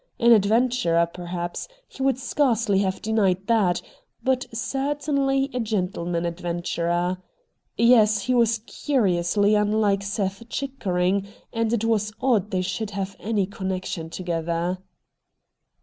An adventurer, perhaps ; he would scarcely have denied that, but certainly a gentleman adventurer. Yes, he was curiously unlike Seth Chickering, and it was odd that they should have any connection together.